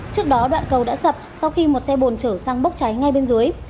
trước đó đoạn cầu đã sập sau khi một xe bồn trở sang bốc cháy ngay bên dưới